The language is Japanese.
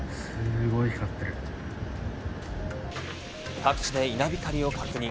各地で稲光を確認。